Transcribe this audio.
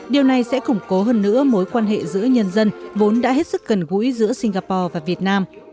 điều này sẽ củng cố hơn nữa mối quan hệ giữa nhân dân vốn đã hết sức gần gũi giữa singapore và việt nam